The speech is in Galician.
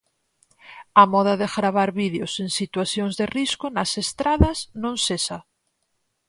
A moda de gravar vídeos en situacións de risco nas estradas non cesa.